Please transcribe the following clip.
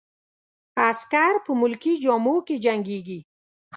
عسکر په ملکي جامو کې جنګیږي.